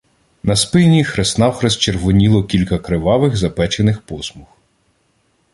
На спині хрест-навхрест червоніло кілька кривавих запечених посмуг.